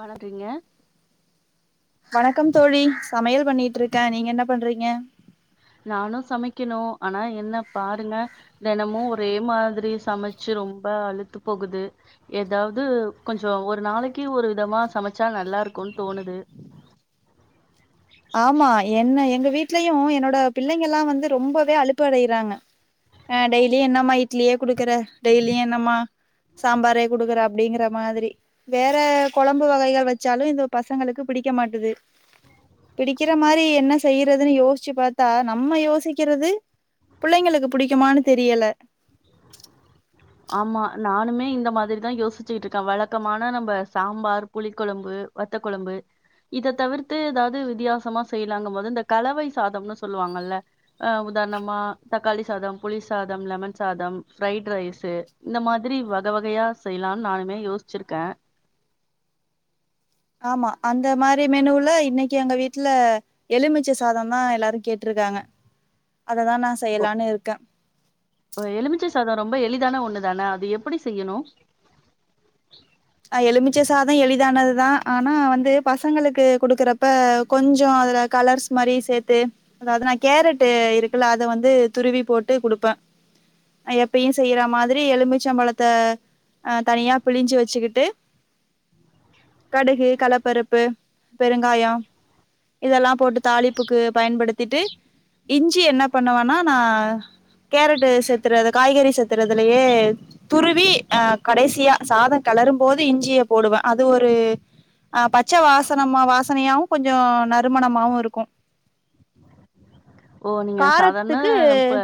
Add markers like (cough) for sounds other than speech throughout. வளக்றீங்க வணக்கம் தோழி சமையல் பண்ணிட்ருக்கே நீங்க என்ன பண்றீங்க நானு சமைக்கிணோ ஆனா என்ன பாருங்க தினமோ ஒரே மாதிரி சமைச்சு ரொம்ப அளுத்து போகுது ஏதாவது கொஞ்சோ ஒரு நாளைக்கி ஒரு விதமா சமச்சா நல்லா இருக்கோனு தோணுது ஆமா என்ன எங்க வீட்லயு என்னோட பிள்ளைங்கல்லா வந்து ரொம்பவே அளுப்படையுறாங்க அ டெய்லியு என்னம்மா இட்லியே குடுக்குற டெய்லியு என்னம்மா சாம்பாரே குடுக்குற அப்டீங்கிற மாதிரி வேற கொழம்பு வகைகள் வெச்சாலு இந்த பசங்களுக்கு பிடிக்க மாட்டுது பிடிக்கிற மாரி என்ன செய்யறதுன்னு யோசிச்சு பாத்தா நம்ம யோசிக்கிறது புள்ளைங்களுக்கு ப புடிக்குமானு தெரியல ஆமா நானுமே இந்த மாதிரிதா யோசிச்சுகிட்ருக்கே வழக்கமான நம்ம சாம்பார் புளிக்கொழம்பு வத்த கொழம்பு இத தவிர்த்து எதாவது வித்தியாசமா செய்லாங்கும் போது இந்த கலவை சாதம்னு சொல்லுவாங்கல்ல ஆ உதாரணமா தக்காளி சாதம் புளி சாதம் லெமன் சாதம் ஃரைட் ரைஸ் இது இந்த மாதிரி வக வகயா செய்யலானு நானுமே யோசிச்சிருக்கே ஆமா அந்த மாரி மெனுல இன்னைக்கி எங்க வீட்ல எலுமிச்ச சாதோந்தா எல்லாரு கேட்ருக்காங்க அததா நா செய்யலான்னு இருக்கே அப்றோ எலுமிச்ச சாதோ ரொம்போ எளிதான ஒண்ணுதானே அது எப்புடி செய்யணோ அ எலுமிச்ச சாதோ எளிதானதுதா ஆனா வந்து பசங்களுக்கு குடுக்குறப்ப கொஞ்சோ அதுல கலர்ஸ் மாரி சேத்து அதாவது நா கேரட்டு இருக்குல்ல அத வந்து துருவி போட்டு குடுப்ப அ எப்பயூ செய்யற மாதிரி எலுமிச்ச பழத்த அ தனியா புழிஞ்சி வெச்சிக்கிட்டு கடுகு கள்ளப்பருப்பு பெருங்காயோ இதல்லா போட்டு தாளிப்புக்கு பயன்படுத்திட்டு இஞ்சி என்ன பண்ணுவன்னா நா கேரட்டு சேத்துறது காய்கறி சேத்துறதுலயே துருவி அ கடைசியா சாதோ கெளரும்போது இஞ்சிய போடுவ அது ஒரு அ பச்ச வாசனமா வாசனையாவு கொஞ்சோ நறுமணமாவு இருக்கு ஓ நீங்க சாதாரணா காரத்துக்கு நம் இப்ப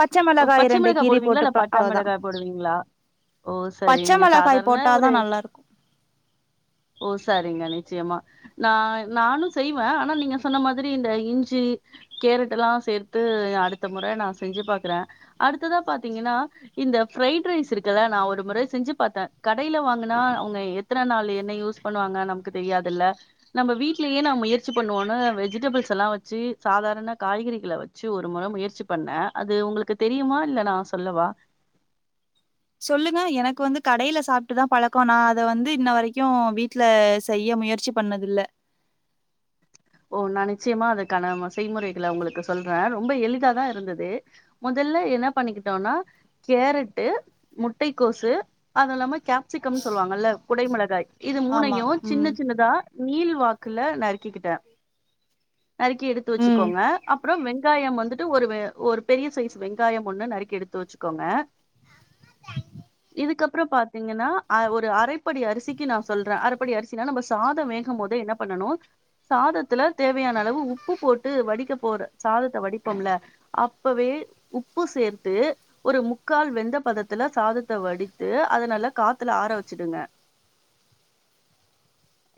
பச்ச ஓ மிளகாய் பச்ச ரெண்டு மிளகா கீறி போடுவீங்களா இல்ல போட்டுப்பே பட்டா அவ்ளோதா மிளகாய் போடுவீங்களா ஓ சரி பச்ச நீங்க மிளகாய் சாதாரண போட்டாதா ஒரு நல்லாருக்கு ஓ சாரிங்க நிச்சயமா நா நானு செய்வ அனா நீங்க சொன்ன மாதிரி இந்த இஞ்சி கேரட்டுலா சேர்த்து அடுத்த மொற நா செஞ்சி பாக் கற அடுத்ததா பாத்திங்கன்னா இந்த பிரைட் ரைஸ் இருக்குல்ல நா ஒரு முற செஞ்சு பாத்த கடையில வாங்குனா அவுங்க எத்தன நாள் என்ன யூஸ் பண்ணுவாங்க நமக்கு தெரியாதுல்ல நம்ப வீட்லயே நா முயற்சி பண்ணுவோன்னு வெஜிடபிள்ஸ் எல்லா வச்சி சாதாரண காய்கறிகள வச் சு ஒரு முற முயற்சி பண்ண அது உங்களுக்கு தெரியுமா இல்ல நா சொல்லவா சொல்லுங்க எனக்கு வந்து கடையில சாப்ட்டு தா பழக்கோ நா அத வந்து இன்ன வரைக்கு வீட்ல செய்ய முயற்சி பண்ணதுல்ல ஓ நா நிச்சயமா அதுக்கான செய்முறைகள உங்களுக்கு சொல்ற ரொம்ப எளிதாதா இருந்தது முதல்ல என்னா பண்ணிக்கிட்டோன்னா கேரட்டு முட்டைக்கோசு அதுல்லாம கேப்சிகம்னு சொல்லுவாங்கல்ல குடை மிளகாய் இது ஆமா. மூணையு சின்ன ம். சின்னதா நீள் வாக்குல நறுக்கிக்கிட்ட நறுக்கி எடுத்து ம். வச்சுக்கோங்க அப்பறோ வெங்காயம் வந்துட்டு ஒருவ ஒரு பெரிய சைஸ் வெங்காயம் ஒண்ணு நறுக்கி எடுத்து வச்சு கோங்க ஆமா தே இதுக்கப்பறோ பாத்திங்கன்னா அ ஒரு அரைப்படி அரிசிக்கு நா சொல்ற அரப்படி அரிசின்னா நம்ப சாதோ வேகும் போதே என்ன பண்ணனு சாதத்துல தேவையான அளவு உப்பு போட்டு வடிக்க போற சாதத்த வடிப்போம்ல்ல அப்பவே உப்பு சேர்த்து ஒரு முக்கால் வெந்த பதத்துல சாதத்த வடித்து அத நல்ல காத்துல ஆர வச்சிடுங்க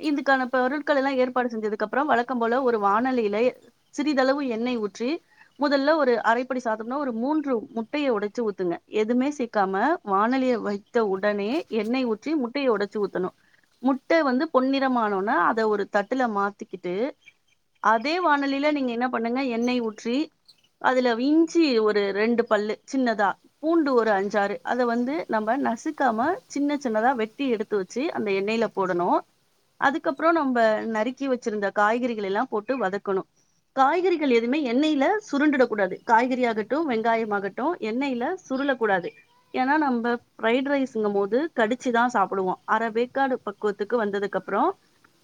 இதுக்கான பொருட்கள் எல்லா ஏற்பாடு செஞ்சதுக்கு அப் பறோ வழக்கம் போல ஒரு வானலையில சிறிதளவு எண்ணெய் ஊற்றி முதல்ல ஒரு அரைப்படி சாதம்ன்னா ஒரு மூன்று முட்டைய ஒடச்சு ஊத்துங்க எதுமே சேக்காம வானலிய வை த்த உடனே எண்ணெய் ஊற்றி முட்டைய ஒடச்சு ஊத்தணு முட்ட வந்து பொன்னிறமானோன்னே அத ஒரு தட்டுல மாத்திக்கிட்டு அதே வானலில நீங்க என்ன பண்ணுங்க எண்ணெய் ஊற்றி அதுல விஞ்சி ஒரு ரெண்டு பல்லு ஜின்னதா பூண்டு ஒரு அஞ்சாறு அத வந்து நம்ம நசுக்காம சின்ன சின்னதா வெட்டி எடுத்து வ ச்சி அந்த எண்ணெயில போடணு அதுக்கப்பறோ நம்ப நறு க்கி வச்சிருந்த காய்கறிகள் எல்லா போட்டு வதக்கணு காய்கறிகள் எதுவுமே எண்ணெயில சுருண்டுடக் கூடாது காய்கறி ஆகட்டு வெங்காயம்மாகட் டு எண்ணெயில சுருல கூடாது ஏன்னா நம்ப ரைட் ரைஸ்ங்கு போது கடிச்சு தா சாப்புடுவோ அற வேக்காடு ப ததுக்கு வந்ததுக்கப்பறோ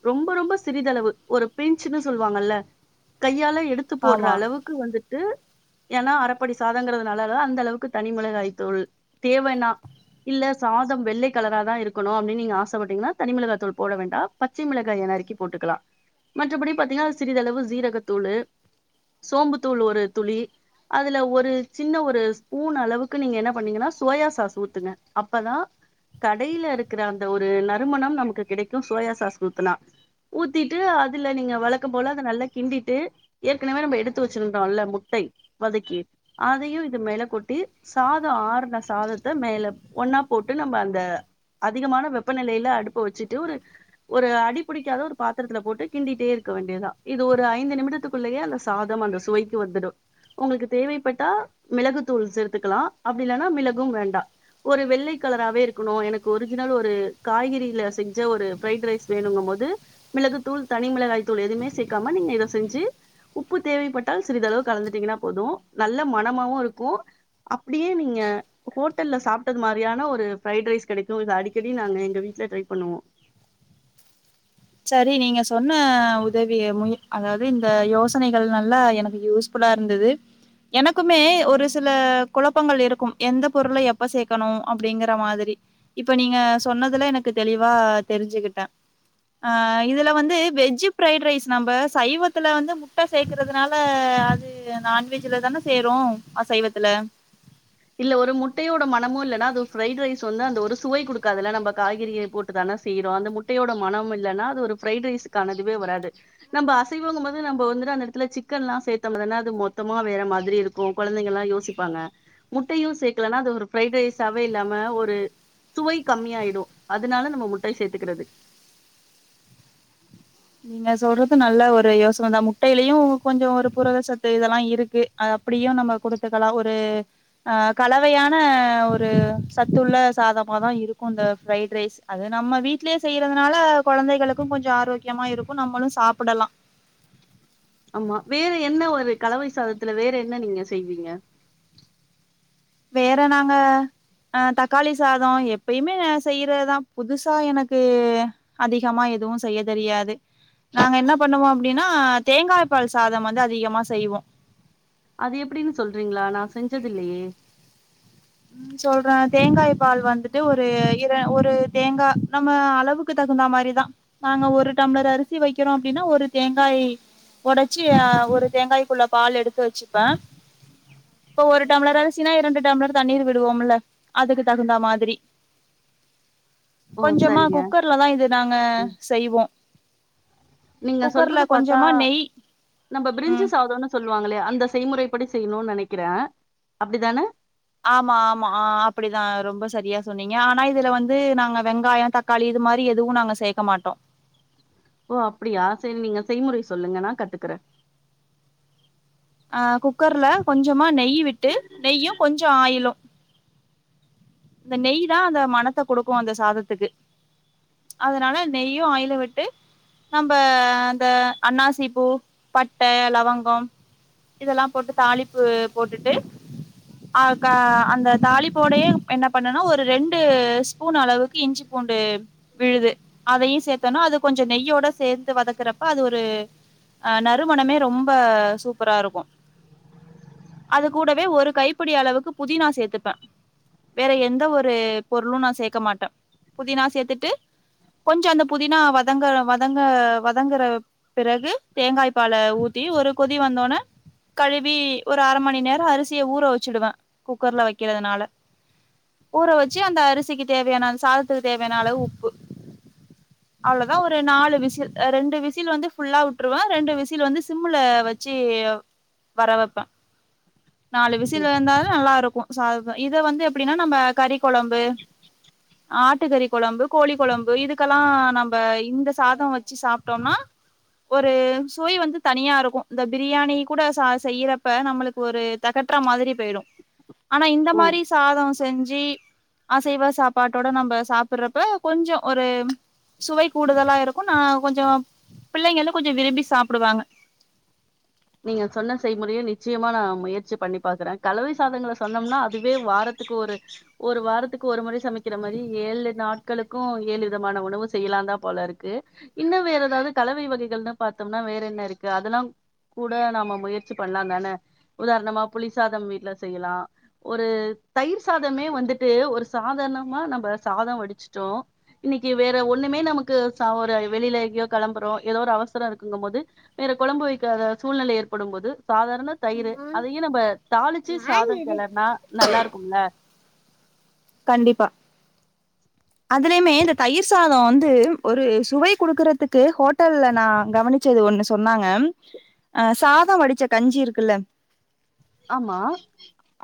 ரொம்ப ரொம்ப சிறிதளவு ஒரு பின்ச்சுன்னு சொல்லுவாங்கல்ல கையால எடுத்து போடுற ஆமா. அளவுக்கு வந்துட்டு ஏன்னா அரப்படி சாதங்கறதுனால அந்த அளவுக்கு தனிமேளகாய் தூள் தேவன்னா இல்ல சாதோ வெள்ளை கலரா தா இருக்கணு அப்படின்னு நீங்க ஆசப்பட்டீங்கன்னா தனி மெளகா தூள் போட வேண்டா பச்சை மெளகாய நறுக்கி போட்டுக்கலா மற்றபடி பாத்தீங்கன்னா சிறிதளவு சீரகத்தூளு சோம்பு தூள் ஒரு துளி அதுல ஒரு சின்ன ஒரு ஸ்பூன் அளவுக்கு நீங்க என்ன பண்ணீங்கன்னா சோயா சாஸ் ஊத்துங்க அப்பதா கடையில இருக்குற அந்த ஒரு நறுமணம் நமக்கு கிடைக்கும் சோயா சாஸ் ஊத்துனா ஊத்திட்டு அதுல நீங்க வளக்கம் போல அத நல்லா கிண்டிட்டு ஏற்கனவே நம்ம எடுத்து வச்சிருத்தோல்ல முட்டை வதக்கி அதையு இது மேல கொட்டி சாதோ ஆருன சாதத்த மேல ஒன்னா போட்டு நம்ம அத அதிகமான வெப்பநெலையில அடுப்ப வச்சுட்டு ஒரு ஒரு அடிபுடிக்காத ஒரு பாத்துரத்துல போட்டு கிண்டிட்டே இருக்க வேண்டியதுதா இது ஒரு ஐந்து நிமிடத்துக்குள்ளயே அந்த சாதோ அந்த சுவைக்கு வந்துடு உங்களுக்கு தேவைப்பட்டா மிளகு தூள் சேத்துக்கலா அப்படி இல்லன்னா மிளகும் வேண்டா ஒரு வெள்ளை கலரவே இருக்கணு எனக்கு ஒரிஜினல் ஒரு காய்கறில செஞ்ச ஒரு பிரைட் ரைஸ் வேணுகும்போது மிளகு தூள் தனி மிளகாய் தூள் எதுவுமே சேக்காம நீங்க செஞ்சு உப்பு தேவைப்பட்டால் சிறிதளவு கலந்துட்டீங்கன்னா போது நல்ல மனமாவுருக்கு அப்டியே நீங்க ஹோட்டல்ல சாப்ட்டது மாரியான ஒரு ஃப்ரைைட்ஸ் கடைக்கு இது அடிக்கடி நாங்க எங்க வீட்ல ட்ரை பண்ணுவோ செரி நீங்க சொன்ன உதவி மு அதாவது இந்த யோசனைகள் நல்லா எனக்கு யூஸ் ஃபுல்லா இருந்தது எனக்குமே ஒரு சில குழப்பங்கள் இருக்கும் எந்த பொருளை எப்ப சேக்கணு அப்டிங்கிற மாதிரி இப்ப நீங்க சொன்னதுல எனக்கு தெளிவா தெரிஞ்சுகிட்டே ஆ இதுல வந்து வெஜ் பிரைட் ரைஸ் நம்ம சைவத்துல வந்து முட்ட சேக்கறதுனால அது இது நான்வெஜ்ல தான செய்ரோ அசைவத்துல இல்ல ஒரு முட்டையோட மனமு இல்லன்னா அது ஃப்ரைட் ரைஸ் வந்து அந்த ஒரு சுவை குடுக்காதுல்ல நம்ம காய்கறிகள் போட் டு தான செய்றோ அந்த முட்டையோட மனம் இல்லன்னா அது ஒரு பிரைட் ரைஸுகானதுவே வராது நம்ம அசைவங்கம்போது நம்ம வந்துட்டு அந்த எடத்துல சிக்கன்லா சேத்தமனா அது மொத்தமா வேற மாரி இருக் கு கொழந்தைங்கலா யோசிப்பாங்க முட்டையு சேக்கலனா அது ஒரு ஃப்ரைட் ரைஸாவே இல்லாம ஒரு சுவை கம்மியாயிடு அதனால நம்ம முட்டை சேத்துக்கிறது நீங்க சொல்றது நல்ல ஒரு யோசனை தா முட்டையிலயு கொஞ்சோ ஒரு புரதசத்து இதெல்லா இருக்கு அத அப்டியு நம்ம குடுத்துக்கலா ஒரு அ கலவையான ஒரு சத்துள்ள சாதமாதா இருக்கு அந்த ஃப்ரைட் ரைஸ் அது நம்ம வீட்லயே செய்யறதுனால கொழந்தைகளுக்கு கொஞ்சோ ஆரோக்கியமா இருக்கு நம்மளு சாப்புடலா ஆமா வேற என்ன ஒரு கலவை சாதத்துல வேற என்ன நீங்க செய்வீங்க வேற நாங்க அ தக்காளி சாதோ எப்பயுமே செய்யறதா புதுசா எனக்கு அதிகமா எதுவு செய்ய தெரியாது நாங்க என்ன பண்ணுவோ அப்டின்னா தேங்காய் பால் சாதம் வந்து அதிகமா செய்வோ அது எப்டின்னு சொல்றீங்களா நா செஞ்சதுல்லையே ம் சொல்றே தேங்காய் பால் வந்துட்டு ஒரு இர ஒரு தேங்கா நம்ம அளவுக்கு தகுந்தா மாரிதா நாங்க ஒரு டம்ளர் அரிசி வைக்கிறோ அப்டின்னா ஒரு தேங்காய் ஒடச்சி ஒரு தேங்காய்க்குள்ள பால் எடுத்து வச்சுப்பே இப்ப ஒரு டம்ளர் அரிசினா இரண்டு டம்ளர் தண்ணீர் விடுவோம்ல அதுக்கு தகுந்த மாரி ஓ! கொஞ்சமா சரிங்க. குக்கர் ல தா இது நாங்க ம். செய்வோ நீங்க குக்கர்ல சொல்றது பாத்தா கொஞ்சமா நெய் நம்ம பிரிஞ்சி ம் சாதோன்னு சொல்லுவாங்களே அந்த செய்முறைப்படி செய்ணுன் நனைக்கிற அப்டித்தான ஆமா ஆமா ஆ அப்டிதா ரொம்ப செரியா சொன்னீங்க ஆனா இதுல வந்து நாங்க வெங்காயோ தக் காளி இது மாரி எதுவு நாங்க சேக்க மாட்டோ ஓ அப்டியா செரி நீங்க செய்முறை சொல்லுங்க நா கத்துக்குறே ஆ குக்கர்ல கொஞ்சமா நெய் விட்டு நெய்யு கொஞ்சோ ஆயிலு அந்த நெய்தா அந்த மனத்த கொடுக்கு அந்த சாதத்துக்கு அதனால நெய்யு ஆயிலு விட்டு நம்ம அந்த அண்ணாசி பூ பட்ட லவங்கம் இதெல்லா போட்டு தாளிப்பு போட்டுட்டு ஆ கா அந்த தாளிப்போடயே என்ன பண்ணனா ஒரு ரெண்டு ஸ்பூன் அளவுக்கு இஞ்சி பூண்டு விழுது அதையு சேத்தோனா அது கொஞ்சோ நெய்யோட சேந்து வதக்கறப்ப அது ஒரு அ நறுமணமே ரொம்ப சூப்பரா இருக்கு அதுகூடவே ஒரு கைப்பிடி அளவுக்கு புதினா சேத்துப்பே வேற எந்த ஒரு பொருளு நா சேக்க மாட்ட புதினா சேத்துட்டு கொஞ்சோ அந்த புதினா வதங்க வதங்க வதங்குற பிறகு தேங்காய்ப்பால ஊத்தி ஒரு கொதி வந்தோன கழுவி ஒரு அர மணி நேரோ அரிசிய ஊற வெச்சுடுவே குக்கர்ல வெக்கிறதுனால ஊற வெச்சு அந்த அரிசிக்கு தேவையான அந்த சாதத்துக்கு தேவையான அளவு உப்பு அவ்ளோதா ஒரு நாலு விசில் ரெண்டு விசில் வந்து ஃபுல்லா உட்ருவே ரெண்டு விசில் வந்து சிம்ல வெச் சு வர வெப்பே நாலு விசில் இருந்தாலு நல்லா இருக்கு சாதோ இ இத வந்து எப்டினா நம்ம கறி கொழம்பு ஆட்டுக்கறி கொழம்பு கோழி கொழம்பு இதுக்கெல்லா நம்ம இந்த சாதோ வெச்சு சாப்ட்டோனா ஒரு சுவை வந்து தனியா இருக்கு இந்த பிரியாணி கூட ச செய்யறப்ப நம்மளுக்கு ஒரு தெகட்டு மாதிரி போய்ரு ஆனா இந்த ஓ மாரி சாதோ செஞ்சு அசைவ சாப்பாட்டோட நம்ப சாப்புற்றப்ப கொஞ்சோ ஒரு சுவை கூடுதலா இருக்கு நா கொஞ்சோ பிள்ளைங்களு கொஞ்சோ விரும்பி சாப்புடுவாங்க நீங்க சொன்ன செய்முறைய நிச்சியமா நா முயற்சி பண்ணி பாக்குறே கலவை சாதங்கள சொன்னோம்னா அதுவே வாரத்துக்கு ஒரு ஒரு வாரத்துக்கு ஒரு முறை சமைக்கிற மாரி ஏழு நாட்களுக்கு ஏழு விதமான உணவு செய்யலாதா போல இருக்கு இன்னு வேற எதாவ்து கலவை வகைகள்னு பாத்தோம்னா வேற என்ன இருக்கு அதெல்லா கூட நம்ம முயற்சி பண்லாதான உதாரணமா புளிசாதம் வீட்ல செய்யலா ஒரு தயிர் சாதமே வந்துட்டு ஒரு சாதார்ணமா நம்ப சாதோ வடிச்சிட்டோ இன்னிக்கி வேற ஒன்னுமே நமக்கு ச ஒரு வெளில எங்கயோ களம்புறோ எதோ ஒரு அவசரோ இருக்குங்கமோது வேற கொழம்பு வெக்காத சூழ்நிலை ஏற்படும்போது சாதாரண தயிரு அதையு நம்ப தாளிச்சு சாதோ கெளற்னா நல்லாருக்கும்ல கண்டிப்பா அதுலயுமே இந்த தயிர் சாதோ வந்து ஒரு சுவை குடுக்கறதுக்கு ஹோட்டல்ல நா கவனிச்சது ஒன்னு சொன்னாங்க ஆ சாதோ வடிச்ச கஞ்சி இருக்குல்ல ஆமா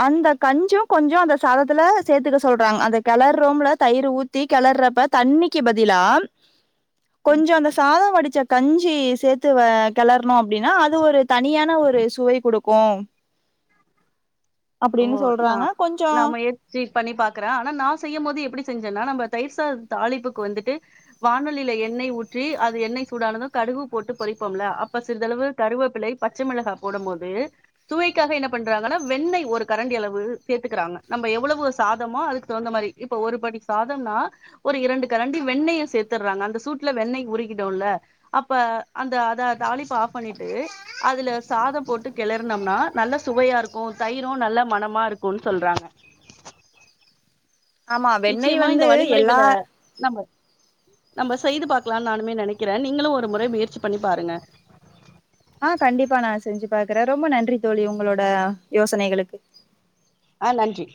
அந்த கஞ்சியு கொஞ்சோ அந்த சாதத்துல சேத்துக்க சொ சொல்றாங்க அந்த கெளறோம்ல தயிரு ஊத்தி கெளர்றப்ப தண்ணிக்கி பதிலா கொஞ்சோ அந்த சாதொ வடிச்ச கஞ்சி சேத்து வ கிளறணோ அப்டின்னா அது ஒரு தனியான ஒரு சுவை குடுக் கோம் ஓ ந சொல்றாங்க. கொஞ்சம் நாம ஏ (unintelligible) பண்ணி பாக்குறே ஆனா நா செய்யும் போது எப்டி செஞ்சேன்னா நம்ம தயிர்சாத் தாலிப்புக்கு வந்துட்டு வானொலியல எண்ணெய ஊற்றி அது எண்ணெய் சூடானது கடுகு போட்டு பொறிப்போம்ல அப்ப சிறிதளவு கருவேப்பிழை பச்ச மிளகா போடும்போது சுவைக்காக என்ன பண்றாங்கா வெண்ணெய் ஒரு கரண்டி அளவு சேத்துக்கிறாங்க நம்ம எவ்வளவு சாதமோ அதுக்கு தகுந்த மாரி இப்ப ஒரு படி சாதம்னா ஒரு இரண்டு கரண்டி வெண்ணய சேர்த்தட்றாங்க அந்த சூட்ல வெண்ணய் உருக்கிடுல்ல அப்ப அந்த அத தாளிப்ப ஆஃப் பண்ணிட்டு அதுல சாதம் போட்டு கிளறனம்னா நல்ல சுவையா இருக்கு தயிர் இன்னு நல்ல மனமா இருக்குன்னு சொல்றாங்க ஆமா வெண்ணெய் நிச்சயமா இந்த வந்து வழிமுறைகள எல்லா நம்ம நம்ம செய்து பாக்கலான்னு நானுமே நெனைக்கிறே நீங்களு ஒரு முறை முயற்சி பண்ணி பாருங்க ஆ கண்டிப்பா நா செஞ்சு பாக்கறே ரொம்ப நன்றி தோழி ஒங்களோட யோசனைகளுக்கு ஆ நன்றி